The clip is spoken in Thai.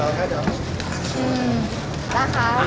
ต่างกันนะคะ